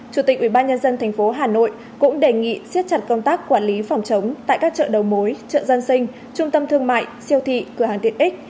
chủ tịch ubnd tp hà nội cũng đề nghị siết chặt công tác quản lý phòng chống tại các chợ đầu mối chợ dân sinh trung tâm thương mại siêu thị cửa hàng tiện ích